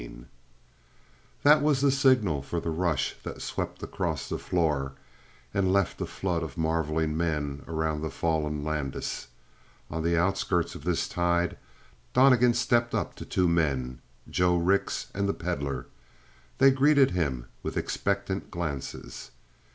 24 That was the signal for the rush that swept across the floor and left a flood of marveling men around the fallen Landis. On the outskirts of this tide, Donnegan stepped up to two men, Joe Rix and the Pedlar. They greeted him with expectant glances.